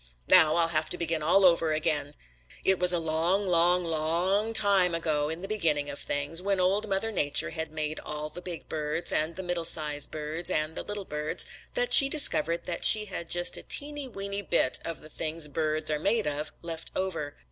Now I'll have to begin all over again. It was a long, long, long time ago in the beginning of things when Old Mother Nature had made all the big birds and the middle sized birds and the little birds that she discovered that she had just a teeny, weeny bit of the things birds are made of left over.